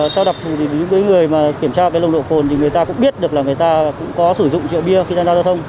cho đặc thù thì những người kiểm tra nông độ cồn thì người ta cũng biết được là người ta có sử dụng triệu bia khi đang ra giao thông